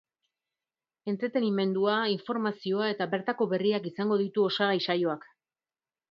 Entretenimendua, informazioa eta bertako berriak izango ditu osagai saioak.